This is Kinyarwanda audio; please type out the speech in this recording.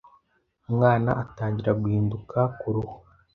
Umwana atangira guhinduka ku ruhu